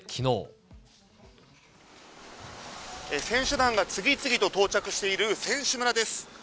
選手団が次々と到着している選手村です。